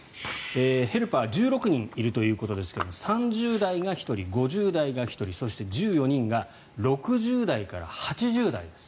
ヘルパー１６人いるということですが３０代が１人、５０代が１人そして、１４人が６０代から８０代です。